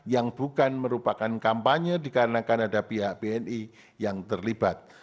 yang bukan merupakan kampanye dikarenakan ada pihak bni yang terlibat